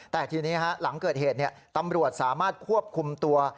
แต่ทีนี้หลังเกิดเหตุตำรวจสามารถควบคุมตัว